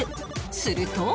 すると